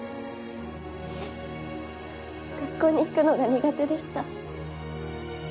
学校に行くのが苦手でした。